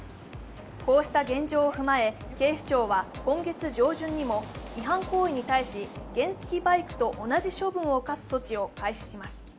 こうした現状を踏まえ警視庁は今月上旬にも違反行為に対し原付バイクと同じ処分を科す措置を開始します。